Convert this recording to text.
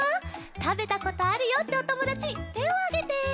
たべたことあるよっておともだちてをあげて。